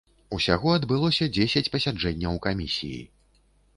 Усяго адбылося дзесяць пасяджэнняў камісіі.